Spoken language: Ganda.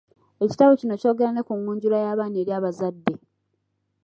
Ekitabo kino kyogera ne kungunjula y'abaana eri abazadde.